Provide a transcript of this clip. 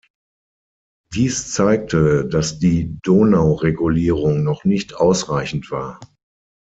Dies zeigte, dass die Donauregulierung noch nicht ausreichend war.